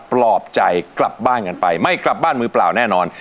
ปลอบใจกลับบ้านกันไปไม่กลับบ้านมือเปล่าแน่นอน